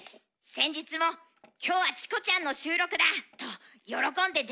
「先日も『今日はチコちゃんの収録だ』と喜んで出かけていきました」。